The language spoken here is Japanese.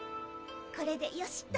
これでよしっと！